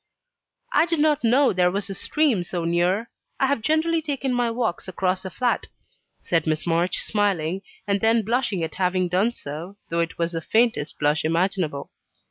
"I did not know there was a stream so near. I have generally taken my walks across the Flat," said Miss March, smiling, and then blushing at having done so, though it was the faintest blush imaginable.